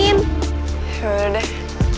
ya udah deh